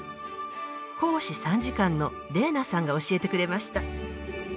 公使参事官のレーナさんが教えてくれました。